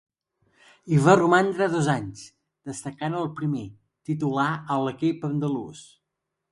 Hi va romandre dos anys, destacant el primer, titular a l'equip andalús.